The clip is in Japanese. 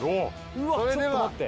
うわちょっと待って。